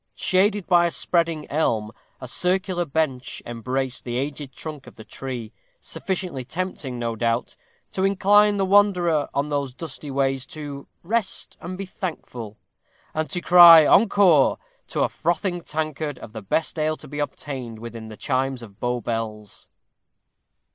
Shaded by a spreading elm, a circular bench embraced the aged trunk of the tree, sufficiently tempting, no doubt, to incline the wanderer on those dusty ways to "rest and be thankful," and to cry encore to a frothing tankard of the best ale to be obtained within the chimes of Bow bells.